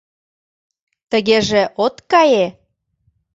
— Тыгеже, от кае?